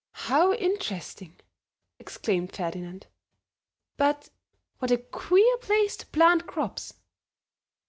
"How interesting!" exclaimed Ferdinand. "But what a queer place to plant crops."